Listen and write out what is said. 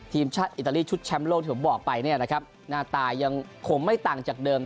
ทีมชาติอิตาลีชุดแชมป์โลกที่ผมบอกไปเนี่ยนะครับหน้าตายังคงไม่ต่างจากเดิม